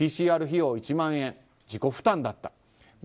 ＰＣＲ費用１万円自己負担だった。